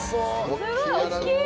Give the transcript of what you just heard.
すごい大きい！